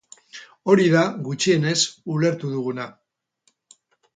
Hori da, gutxienez, ulertu duguna.